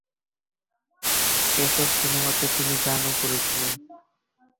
এসব সিনেমাতে তিনি গানও করেছিলেন।